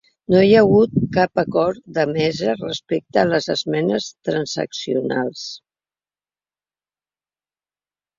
No hi ha hagut cap acord de mesa respecte les esmenes transaccionals.